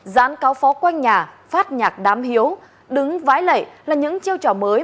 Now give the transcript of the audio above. gián cáo phó quanh nhà phát nhạc đám hiếu đứng vái lẩy là những trêu trò mới